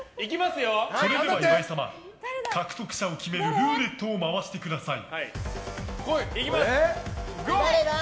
それでは岩井様獲得者を決めるルーレットを回してください。